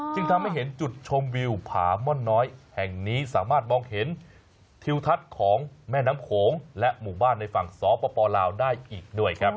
จึงทำให้เห็นจุดชมวิวผาม่อนน้อยแห่งนี้สามารถมองเห็นทิวทัศน์ของแม่น้ำโขงและหมู่บ้านในฝั่งสปลาวได้อีกด้วยครับ